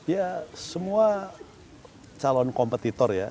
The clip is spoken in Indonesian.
ya semua calon kompetitor ya